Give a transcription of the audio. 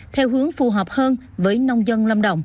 theo hướng phù hợp hơn với nông dân lâm đồng